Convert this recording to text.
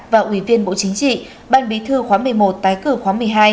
và ủy viên bộ chính trị ban bí thư khóa một mươi một tái cử khóa một mươi hai